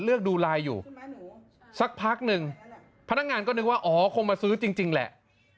เลือกดูไลน์อยู่สักพักหนึ่งพนักงานก็นึกว่าอ๋อคงมาซื้อจริงแหละ